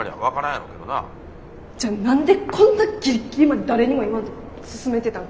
じゃ何でこんなギリギリまで誰にも言わんと進めてたん？